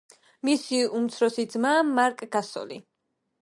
მისი უმცროსი ძმაა მარკ გასოლი.